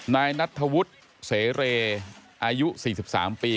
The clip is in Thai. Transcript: นายนัทธวุฒิเสเรอายุ๔๓ปี